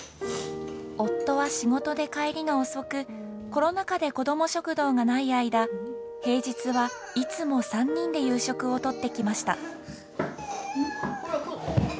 夫は仕事で帰りが遅くコロナ禍でこども食堂がない間平日はいつも３人で夕食をとってきました。